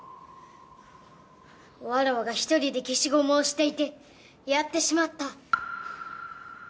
わらわが１人で消しゴムをしていてやってしまった。